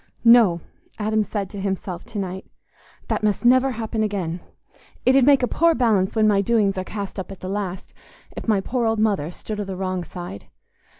"No!" Adam said to himself to night, "that must never happen again. It 'ud make a poor balance when my doings are cast up at the last, if my poor old mother stood o' the wrong side.